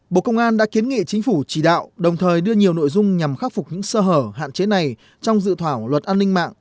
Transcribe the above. bộ công an đã kiến nghị chính phủ chỉ đạo đồng thời đưa nhiều nội dung nhằm khắc phục những sơ hở hạn chế này trong dự thảo luật an ninh mạng